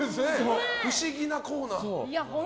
不思議なコーナー。